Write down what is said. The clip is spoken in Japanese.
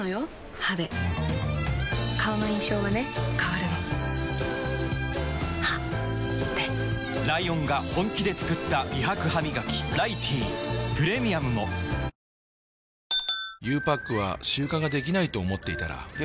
歯で顔の印象はね変わるの歯でライオンが本気で作った美白ハミガキ「ライティー」プレミアムも与作は木をきる与作？